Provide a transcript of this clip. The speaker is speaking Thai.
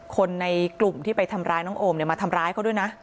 คนในกลุ่มที่ไปทำร้ายน้องโอมเนี่ยมาทำร้ายเขาด้วยนะ